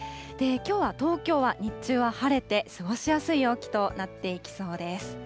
きょうは東京は日中は晴れて、過ごしやすい陽気となっていきそうです。